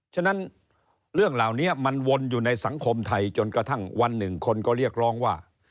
ฉะนั้นเรื่องเหล่านี้มันวนอยู่ในสังคมไทยจนกระทั่งวันหนึ่งคนก็เรียกร้องว่า